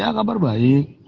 ya kabar baik